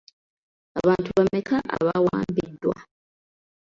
Abantu bameka abawambiddwa?